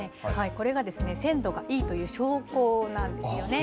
これが鮮度がいいという証拠なんですよね。